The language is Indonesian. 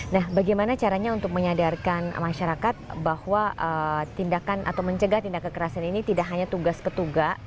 nah bagaimana caranya untuk menyadarkan masyarakat bahwa tindakan atau mencegah tindak kekerasan ini tidak hanya tugas petugas